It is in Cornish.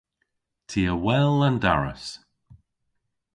Ty a wel an daras.